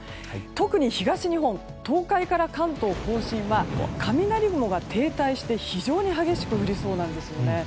特に東日本東海から関東・甲信は雷雲が停滞して非常に激しく降りそうなんです。